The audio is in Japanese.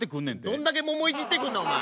どんだけ桃いじってくんのお前。